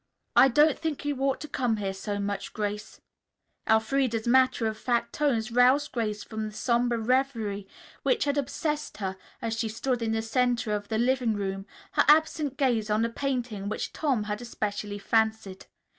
"I don't think you ought to come here so much, Grace." Elfreda's matter of fact tones roused Grace from the somber reverie which had obsessed her as she stood in the center of the living room, her absent gaze on a painting which Tom had especially fancied.